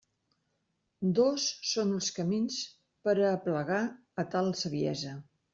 Dos són els camins per a aplegar a tal saviesa.